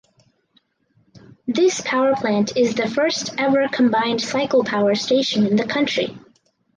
This Power Plant is the first ever combined cycle power station in the country.